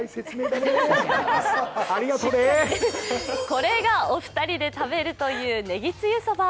これがお二人で食べるというネギつゆそば。